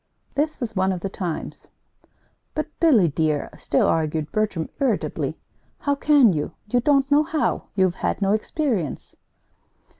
This was one of the times. "But, Billy, dear," still argued Bertram, irritably, "how can you? You don't know how. You've had no experience."